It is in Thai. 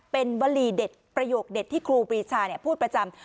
เป็นวลีเด็ดประโยคเด็ดที่ครูปรีชาพูดประจำ